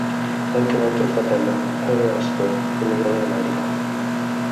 Anche un altro fratello, Henry Astor emigrò in America.